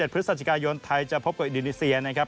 พฤศจิกายนไทยจะพบกับอินโดนีเซียนะครับ